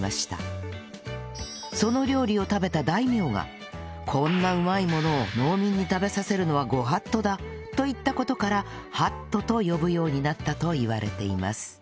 その料理を食べた大名が「こんなうまいものを農民に食べさせるのはご法度だ！」と言った事から「はっと」と呼ぶようになったといわれています